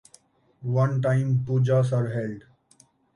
One time Pujas are held.